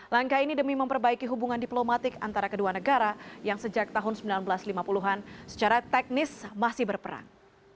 langkah ini demi memperbaiki hubungan diplomatik antara kedua negara yang sejak tahun seribu sembilan ratus lima puluh an secara teknis masih berperang